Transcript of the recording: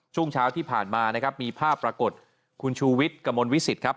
ช่วงเช้าที่ผ่านมานะครับมีภาพปรากฏคุณชูวิทย์กระมวลวิสิตครับ